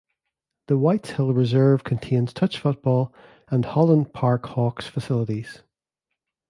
The Whites Hill Reserve contains touch football and Holland Park Hawks facilities.